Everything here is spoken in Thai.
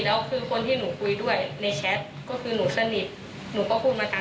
แล้วคือคนที่หนูคุยด้วยในแชท